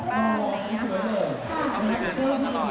พ่อแม่เราก็น่ารัก